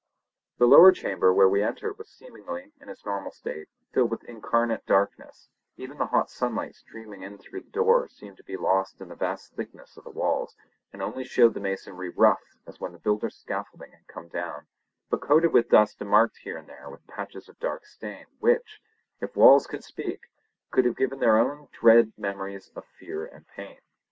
The lower chamber where we entered was seemingly, in its normal state, filled with incarnate darkness; even the hot sunlight streaming in through the door seemed to be lost in the vast thickness of the walls, and only showed the masonry rough as when the builder's scaffolding had come down, but coated with dust and marked here and there with patches of dark stain which, if walls could speak, could have given their own dread memories of fear and pain.